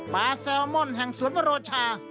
ปลาแซลมอนแห่งสวนโรชา